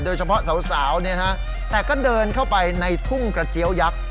โดยเฉพาะสาวเนี่ยนะแต่ก็เดินเข้าไปในทุ่งกระเจี๊ยวยักษ์